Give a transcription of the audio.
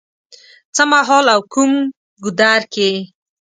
څه مهال او کوم ګودر کې